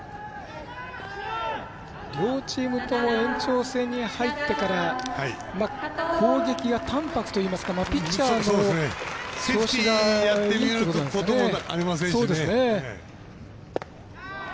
両チームとも延長戦に入ってから攻撃が淡泊といいますかピッチャーの調子がいいってことなんですかね。